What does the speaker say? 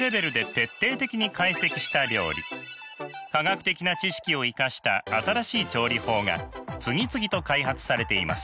科学的な知識を生かした新しい調理法が次々と開発されています。